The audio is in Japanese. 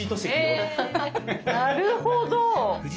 なるほど！